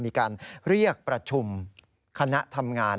มีการเรียกประชุมคณะทำงาน